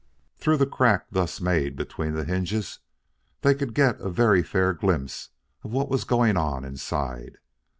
Through the crack thus made between the hinges, they could get a very fair glimpse of what was going on inside.